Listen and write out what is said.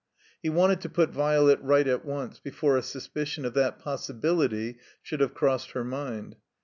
He wanted to put Violet right at once, before a suspicion of that possibility should have crossed her mind.